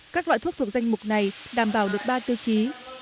các loại thuốc thuộc danh mục này đảm bảo được ba tiêu chí